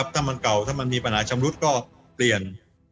ถ้ามันเก่าถ้ามันมีปัญหาชำรุดก็เปลี่ยน